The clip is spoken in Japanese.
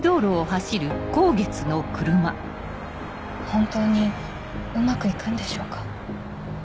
本当にうまく行くんでしょうか？